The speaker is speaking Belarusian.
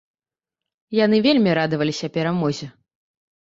Яны вельмі радаваліся перамозе.